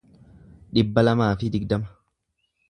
dhibba lamaa fi digdama